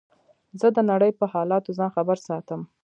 زه د نړۍ په حالاتو ځان خبر ساتم.